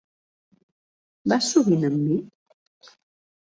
Vas sovint amb mi?